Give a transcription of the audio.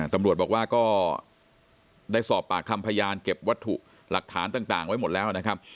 ตำรวจบอกว่าก็ได้สอบปากคำพยานเก็บวัตถุหลักฐานต่างไว้หมดแล้วนะครับ